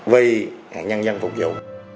vì nhân dân phục vụ